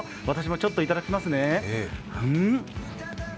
私もちょっといただきますね。